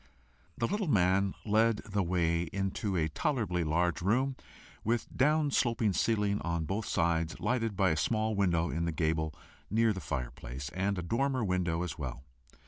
The little man led the way into a tolerably large room, with down sloping ceiling on both sides, lighted by a small window in the gable, near the fireplace, and a dormer window as well.